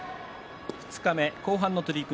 二日目、後半の取組